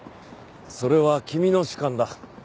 それは君の主観だ。